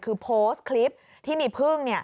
คือโพสต์คลิปที่มีพึ่ง